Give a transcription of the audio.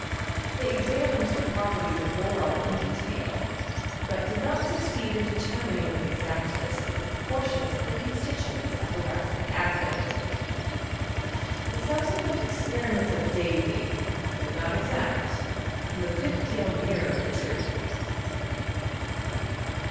Tliey examined the properties of boron in detail, but did not succeed in determining with exactness the proportions of the constituents of boracic acid. The subsequent experiments of Davy, though not exact, C(»ne a good deal nearer the truth.